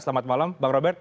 selamat malam bang robert